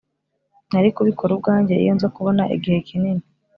nari kubikora ubwanjye iyo nza kubona igihe kinini.